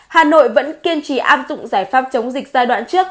hà nội vẫn kiên trì áp dụng giải pháp chống dịch giai đoạn trước